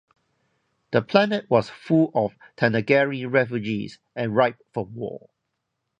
The planet was full of Thanagarian refugees, and ripe for war.